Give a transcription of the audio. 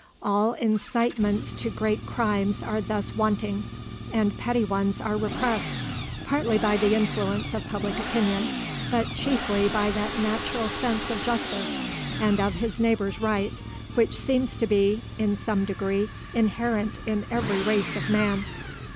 All incitements to great crimes are thus wanting, and petty ones are repressed, partly by the influence of public opinion, but chiefly by that natural sense of justice and of his neighbour's right, which seems to be, in some degree, inherent in every race of man.